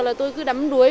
là tôi cứ đắm đuối